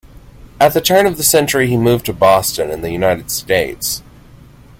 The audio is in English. At the turn of the century he moved to Boston in the United States.